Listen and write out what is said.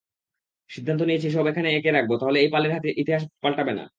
সিদ্ধান্ত নিয়েছি, সব এখানে এঁকে রাখব, তাহলে এই পালের ইতিহাস পাল্টাবে না।